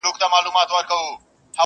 زه احسان د سپلنیو پر ځان نه وړم,